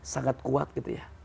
sangat kuat gitu ya